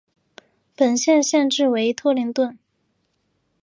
本县县治为托灵顿。